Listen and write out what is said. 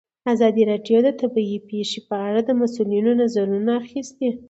ازادي راډیو د طبیعي پېښې په اړه د مسؤلینو نظرونه اخیستي.